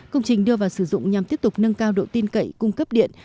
công trình đưa vào sử dụng nhằm tiếp tục nâng cao độ tin cậy cung cấp điện